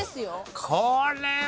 これは。